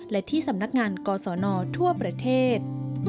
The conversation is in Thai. และที่สำนักงานกศนทั่วประเทศ